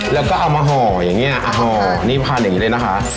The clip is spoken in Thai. แล้วก็เอามาห่ออย่างนี้ห่อนี่พันอย่างนี้เลยนะคะ